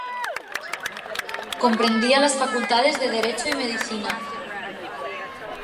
Comprendía las Facultades de Derecho y Medicina.